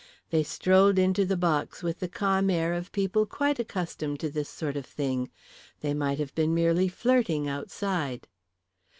They strolled into the box with the calm air of people quite accustomed to this sort of thing; they might have been merely flirting outside.